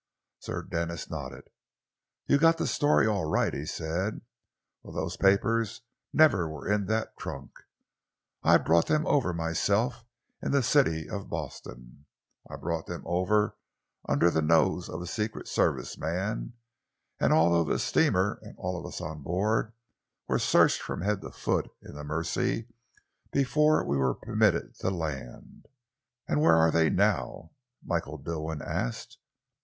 Sir Denis nodded. "You've got the story all right," he said. "Well, those papers never were in that trunk. I brought them over myself in the City of Boston. I brought them over under the nose of a Secret Service man, and although the steamer and all of us on board were searched from head to foot in the Mersey before we were permitted to land." "And where are they now?" Michael Dilwyn asked.